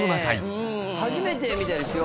初めてみたいですよ。